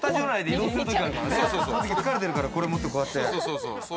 その時疲れてるからこれ持ってこうやって。